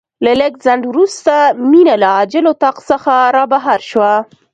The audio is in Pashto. له لږ ځنډ وروسته مينه له عاجل اتاق څخه رابهر شوه.